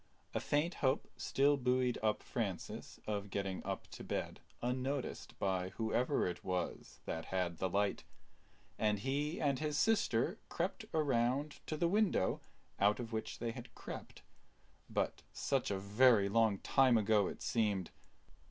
A faint hope still buoyed up Francis of getting up to bed unnoticed by whoever it was that had the light; and he and his sister crept around to the window out of which they had crept; but such a very long time ago it seemed.